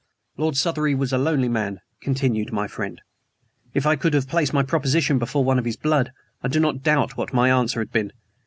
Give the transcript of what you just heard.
"Lord Southery was a lonely man," continued my friend. "If I could have placed my proposition before one of his blood, I do not doubt what my answer had been.